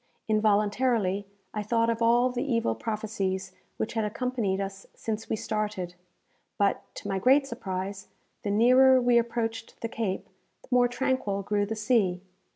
Involuntarily, I thought of all the evil prophecies which had accompanied us since we started; but, to my great surprise, the nearer we approached the Cape, the more tranquil grew the sea.